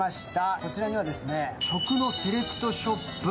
こちらには食のセレクトショップ